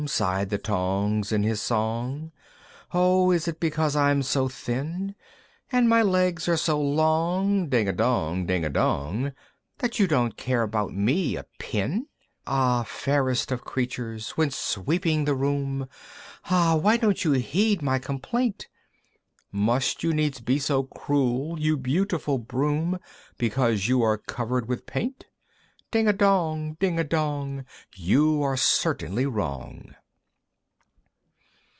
sighed the Tongs in his song, "O is it because I'm so thin, "And my legs are so long Ding a dong! Ding a dong! "That you don't care about me a pin? "Ah! fairest of creatures, when sweeping the room, "Ah! why don't you heed my complaint? "Must you needs be so cruel, you beautiful Broom, "Because you are covered with paint? "Ding a dong! Ding a dong! "You are certainly wrong!"